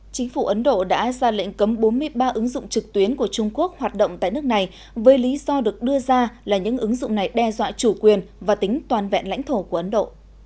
chính phủ ấn độ đã ra lệnh cấm bốn mươi ba ứng dụng trực tuyến của trung quốc hoạt động tại nước này với lý do được đưa ra là những ứng dụng này đe dọa chủ quyền và tính toàn vẹn lãnh thổ của ấn độ